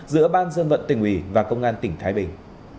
giữa ban dân vận tỉnh ủy và công an tỉnh thái bình